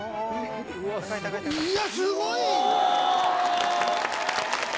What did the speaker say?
いやすごい！